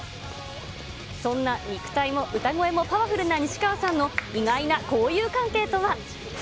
そんな肉体も歌声もパワフルな西川さんの意外な交友関係とは。